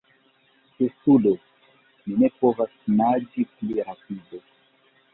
Testudo: "Mi ne povas naĝi pli rapide!"